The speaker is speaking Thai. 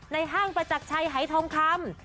ในห้างประจักรชัยไฮทองคำ